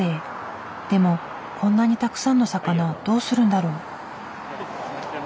でもこんなにたくさんの魚どうするんだろう？